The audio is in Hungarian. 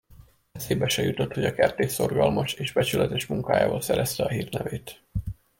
Eszébe se jutott, hogy a kertész szorgalmas és becsületes munkájával szerezte a hírnevét.